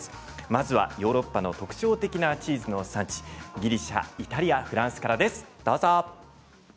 まずはヨーロッパの特徴的なチーズの産地ギリシャ、イタリアフランスからです。